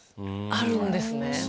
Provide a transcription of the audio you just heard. あるんですね。